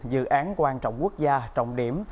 dự án quan trọng quốc gia trọng điểm